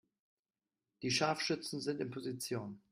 Die Scharfschützen sind in Position.